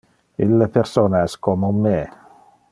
Ille persona es como me.